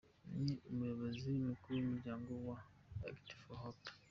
Ni umuyobozi mukuru w’umuryango wa “We Act For Hope”.